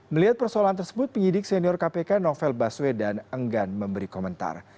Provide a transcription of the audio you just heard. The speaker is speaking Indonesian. melihat persoalan tersebut penyidik senior kpk novel baswedan enggan memberi komentar